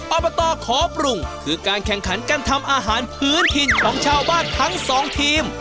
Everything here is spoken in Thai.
อบตขอปรุงคือการแข่งขันการทำอาหารพื้นถิ่นของชาวบ้านทั้งสองทีม